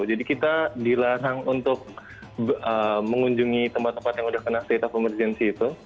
jadi kita dilarang untuk mengunjungi tempat tempat yang udah kena state of emergency itu